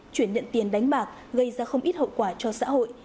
chuyển nhận tiền đánh bạc gây ra không ít hậu quả cho xã hội